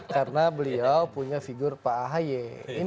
karena beliau punya figur pak ahi